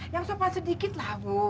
yang sempat sedikit lah bu